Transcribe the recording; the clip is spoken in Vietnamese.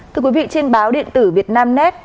thưa quý vị trên báo điện tử việt nam nét